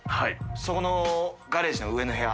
修海ガレージの上の部屋。